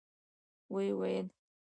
و يې ويل.